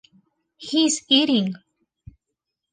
He's eating.